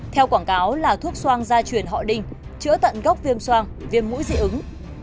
theo quảng cáo là thuốc xoang gia truyền họ đinh chữa tận gốc viêm soang viêm mũi dị ứng